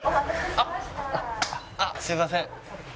あっすいません。